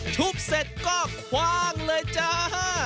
ทุบเสร็จก็คว่างเลยจ้า